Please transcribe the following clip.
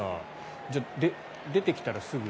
じゃあ、出てきたらすぐに。